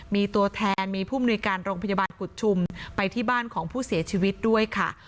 มีตัวแทนมีผู้มนุยการโรงพยาบาลกุฎชุมไปที่บ้านของผู้เสียชีวิตด้วยค่ะ